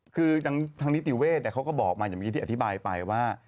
คือทางนิติเวทเขาก็บอกมาอย่างเมื่อกี้ที่อธิบายไปว่า